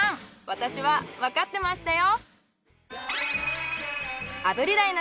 私はわかってましたよ！